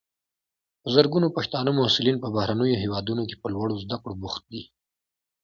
په زرګونو پښتانه محصلین په بهرنیو هیوادونو کې په لوړو زده کړو بوخت دي.